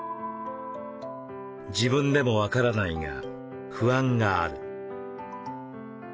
「自分でも分からないが不安がある」。